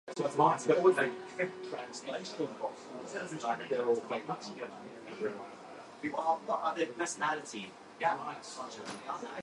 Therefore, she can be considered a political appointee.